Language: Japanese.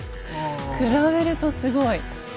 比べるとすごい。